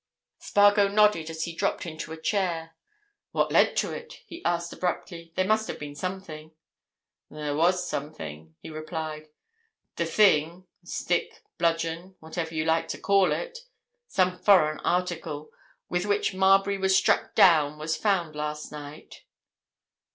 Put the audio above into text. Spargo nodded as he dropped into a chair. "What led to it?" he asked abruptly. "There must have been something." "There was something," he replied. "The thing—stick, bludgeon, whatever you like to call it, some foreign article—with which Marbury was struck down was found last night."